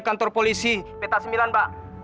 kantor polisi peta sembilan pak